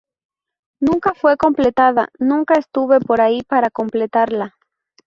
Nunca fue completada, nunca estuve por ahí para completarla.